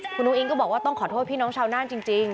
คุณอุ้งก็บอกว่าต้องขอโทษพี่น้องชาวน่านจริง